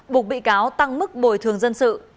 buộc bị cáo tăng mức bồi thường dân sự